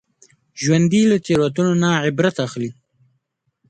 ژوندي له تېروتنو نه عبرت اخلي